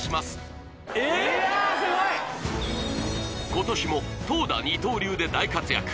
今年も投打二刀流で大活躍